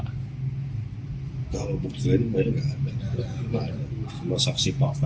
kalau bukti saya tidak ada